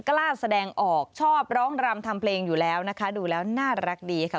กล้าแสดงออกชอบร้องรำทำเพลงอยู่แล้วนะคะดูแล้วน่ารักดีค่ะ